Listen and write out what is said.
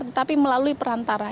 dan juga tidak mengetahui perantara